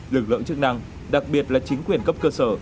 lực lượng chức năng đặc biệt là chính quyền cấp cơ sở